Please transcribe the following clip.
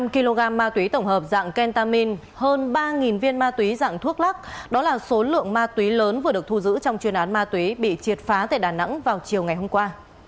một mươi kg ma túy tổng hợp dạng kentamin hơn ba viên ma túy dạng thuốc lắc đó là số lượng ma túy lớn vừa được thu giữ trong chuyên án ma túy bị triệt phá tại đà nẵng vào chiều ngày hôm qua